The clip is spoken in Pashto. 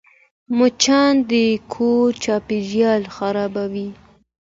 مچان د کور چاپېریال خرابوي